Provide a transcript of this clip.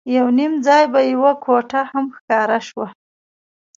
یو نیم ځای به یوه کوټه هم ښکاره شوه.